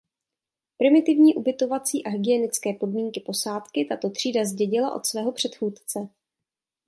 Primitivní ubytovací a hygienické podmínky posádky tato třída zdědila od svého předchůdce.